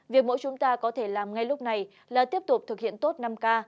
việc mỗi chúng ta có thể làm ngay lúc này là tiếp tục thực hiện tốt năm k